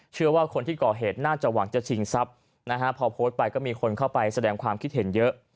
เชื่อว่าคนที่ก่อเหตุน่าจะหวังจะชิงทรัพย์นะฮะพอโพสต์ไปก็มีคนเข้าไปแสดงความคิดเห็นเยอะ